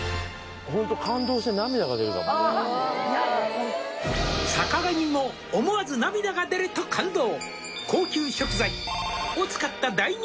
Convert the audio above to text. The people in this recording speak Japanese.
ホント「坂上も思わず涙が出ると感動」